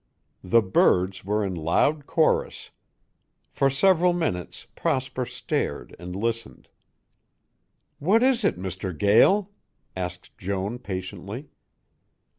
The birds were in loud chorus. For several minutes Prosper stared and listened. "What is it, Mr. Gael?" asked Joan patiently.